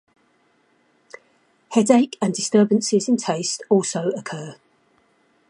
Headache and disturbances in taste also occur.